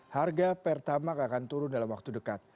harga per tamak akan turun dalam waktu dekat